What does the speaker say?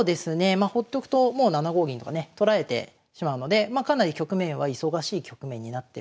まあほっとくともう７五銀とかね取られてしまうのでかなり局面は忙しい局面になってますかね。